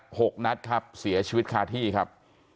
หกนัดครับเสียชีวิตคาที่ครับ